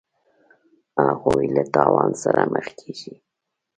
هغوی له تاوان سره مخ کیږي.